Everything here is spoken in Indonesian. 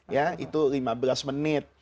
ya itu lima belas menit